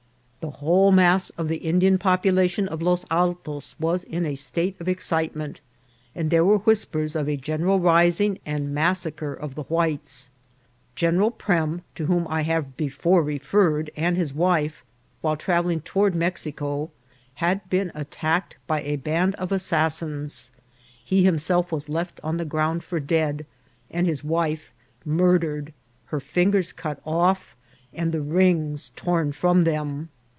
The whole mass of the Indian population of Los Altos was in a state of excitement, and there were whispers of a general rising and massacre of the whites. General Prem, to whom I have before referred, and his wife, while trav elling toward Mexico, had been attacked by a band of assassins ; he himself was left on the ground for dead, and his wife murdered, her fingers cut off, and the rings torn from them.